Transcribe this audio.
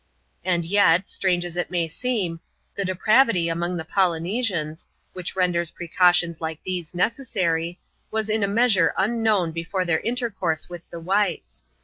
And yet, strange as it may seem, the depravity among the Polynesians, which renders precautions like these necessary, was in a measure unknown before their intercourse with the whites.